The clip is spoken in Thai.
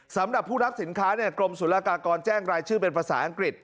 สำหรับผู้รับสินค้ากรมสุรกากรแจ้งรายชื่อเป็นภาษาอังกฤษ